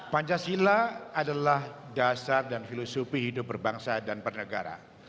pancasila adalah dasar dan filosofi hidup berbangsa dan bernegara